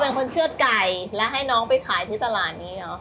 เป็นคนเชื่อดไก่แล้วให้น้องไปขายที่ตลาดนี้เหรอ